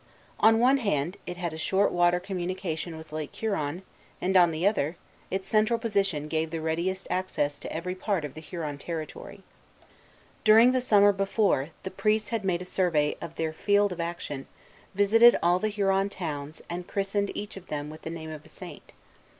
On one hand, it had a short water communication with Lake Huron; and on the other, its central position gave the readiest access to every part of the Huron territory. During the summer before, the priests had made a survey of their field of action, visited all the Huron towns, and christened each of them with the name of a saint.